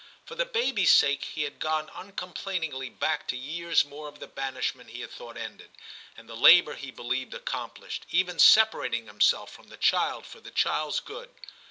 For the baby s sake he had gone uncomplainingly back to years more of the banishment he had thought ended, and the labour he believed accom plished, even separating himself from the child for the child's good.